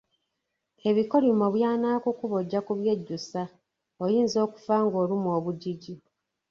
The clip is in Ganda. Ebikolimo byanaakukuba ojja kubyejjusa oyinza okufa ng'olumwa obugigi.